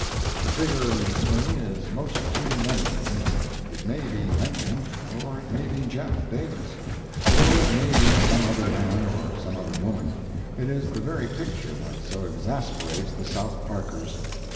The figure in the swing is most too many for me. It may be Menken, or it may be Jeff. Davis, or it may be some other man or some other woman. It is the very picture that so exasperates the South Parkers.